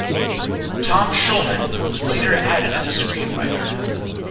Tom Schulman was later added as a screenwriter.